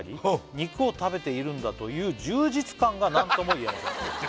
「肉を食べているんだという充実感が何とも言えません」